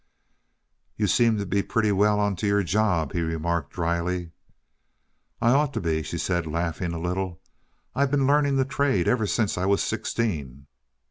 "You seem to be pretty well onto your job," he remarked, dryly. "I ought to be," she said, laughing a little. "I've been learning the trade ever since I was sixteen."